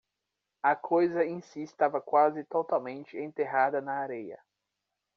A coisa em si estava quase totalmente enterrada na areia.